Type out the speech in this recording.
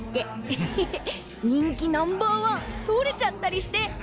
エッヘヘ人気ナンバーワン取れちゃったりして。